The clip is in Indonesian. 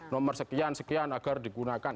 nomor sekian sekian agar digunakan